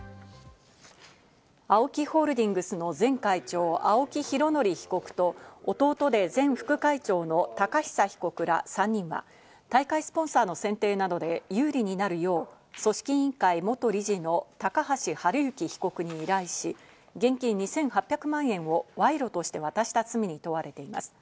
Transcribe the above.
ＡＯＫＩホールディングスの前会長・青木拡憲被告と弟で前副会長の寶久被告ら３人は大会スポンサーの選定などで有利になるよう組織委員会元理事の高橋治之被告に依頼し、現金２８００万円を賄賂として渡した罪に問われています。